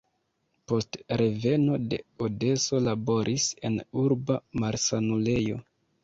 Post reveno de Odeso laboris en urba malsanulejo.